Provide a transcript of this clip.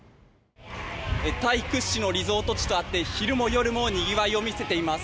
タイ屈指のリゾート地とあって昼も夜もにぎわいを見せています。